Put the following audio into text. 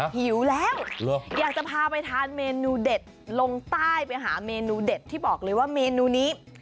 หิวแล้วอยากจะพาไปทานเมนูเด็ดลงใต้ไปหาเมนูเด็ดที่บอกเลยว่าเมนูนี้